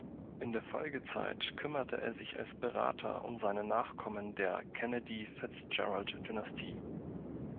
In der Folgezeit kümmerte er sich als Berater um seine Nachkommen der Kennedy-Fitzgerald-Dynastie.